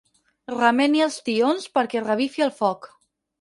Remeni els tions perquè revifi el foc.